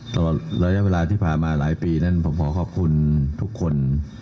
ตลอดระยะเวลาที่ผ่านมาหลายปีนั้นผมขอขอบคุณทุกคน